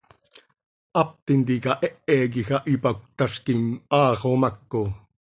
Hap tintica hehe quij ah ipac cötazquim, haa xomaco.